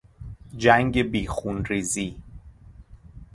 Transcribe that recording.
جنگ بیخونریزی